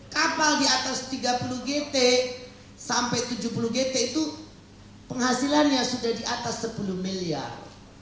kapal di atas tiga puluh gt sampai tujuh puluh gt itu penghasilannya sudah di atas sepuluh miliar